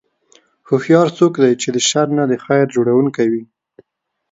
هوښیار څوک دی چې د شر نه د خیر جوړوونکی وي.